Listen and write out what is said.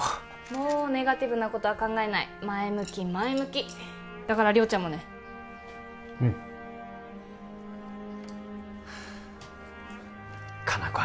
もうネガティブなことは考えない前向き前向きだから亮ちゃんもねうん果奈子